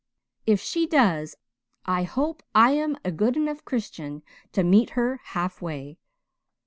"If she does I hope I am a good enough Christian to meet her half way.